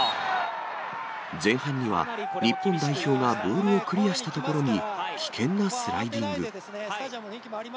前半には、日本代表がボールをクリアしたところに、危険なスライディング。